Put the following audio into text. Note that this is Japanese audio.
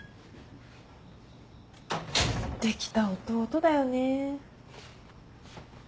できた弟だよね。